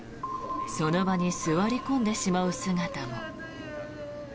その場に座り込んでしまう姿も。